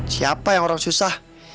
siapa yang orang susah